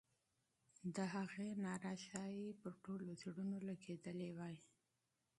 د هغې ناره ښایي پر ټولو زړونو لګېدلې وای.